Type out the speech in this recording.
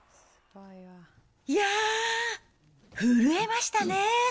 いやー、震えましたね。